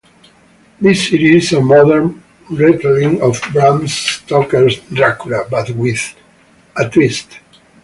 This series is a modern retelling of Bram Stoker's "Dracula", but with a twist.